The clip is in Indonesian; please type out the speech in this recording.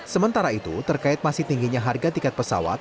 sementara itu terkait masih tingginya harga tiket pesawat